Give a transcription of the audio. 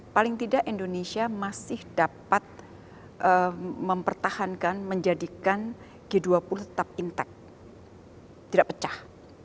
paling tidak indonesia masih dapat mempertahankan menjadikan g dua puluh tetap intek tidak pecah